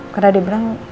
karena dia bilang